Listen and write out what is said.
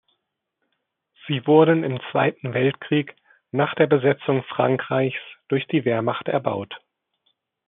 Sie wurden im Zweiten Weltkrieg nach der Besetzung Frankreichs durch die Wehrmacht erbaut.